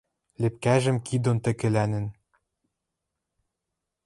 Лепкӓжӹм кид дон тӹкӹлӓлӹн